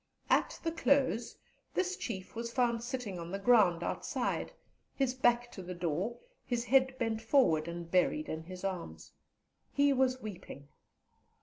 At the close, this Chief was found sitting on the ground outside, his back to the door, his head bent forward and buried in his arms. He was weeping.